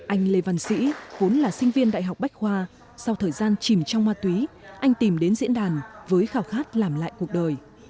anh lê văn sĩ vốn là sinh viên đại học bách khoa sau thời gian chìm trong ma túy anh tìm đến diễn đàn với khảo khát làm lại cuộc đời